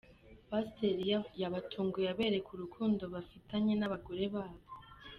Pasiteri yabatunguye abereka urukundo bafitanye n’abagore babo